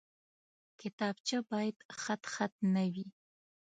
کتابچه باید خطخط نه وي